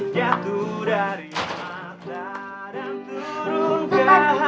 jatuh dari mata dan turun ke jalan yang jatuhnya